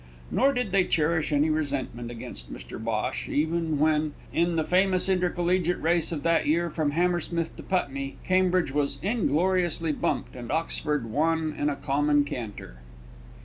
Nor did they cherish any resentment against Mr Bhosh, even when, in the famous inter collegiate race of that year from Hammersmith to Putney, Cambridge was ingloriously bumped, and Oxford won in a common canter.